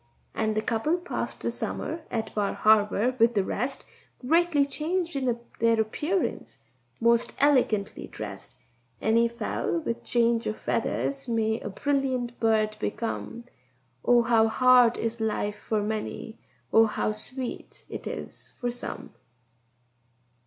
And the couple passed the summer at Bar Harbour with the rest, Greatly changed in their appearance and most elegantly dressed. Any fowl with change of feathers may a brilliant bird become: Oh, how hard is life for many! oh, how sweet it is for some!